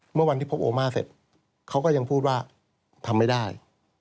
เมื่อวันที่พบโอมาเสร็จเขาก็ยังพูดว่าทำไม่ได้